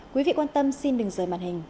quý vị quan tâm xin đừng rời mặt hình